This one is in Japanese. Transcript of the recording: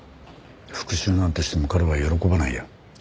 復讐なんてしても彼は喜ばないよ。